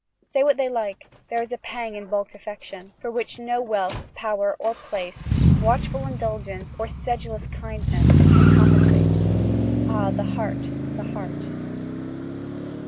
Say what they like, there is a pang in balked affection, for which no wealth, power, or place, watchful indulgence, or sedulous kindness, can compensate. Ah! the heart, the heart!